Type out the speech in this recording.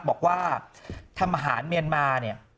บอกว่าทำหารเมืองพญาติ